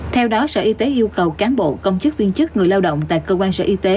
theo đó sở y tế yêu cầu cán bộ công chức viên chức người lao động tại cơ quan sở y tế